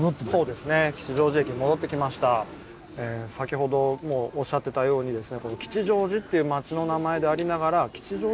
先ほどもおっしゃってたようにないんですね。